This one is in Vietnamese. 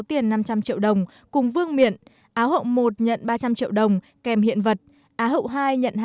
tiền năm trăm linh triệu đồng cùng vương miện áo hậu một nhận ba trăm linh triệu đồng kèm hiện vật á hậu hai nhận